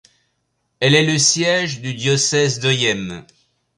Elle est le siège du diocèse d'Oyem.